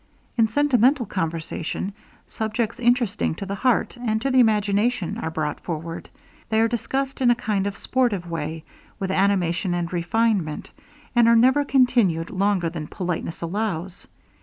In sentimental conversation, subjects interesting to the heart, and to the imagination, are brought forward; they are discussed in a kind of sportive way, with animation and refinement, and are never continued longer than politeness allows.